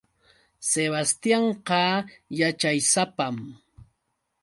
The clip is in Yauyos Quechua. Sebastianqa yaćhaysapam.